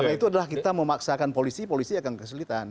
karena itu adalah kita memaksakan polisi polisi akan kesulitan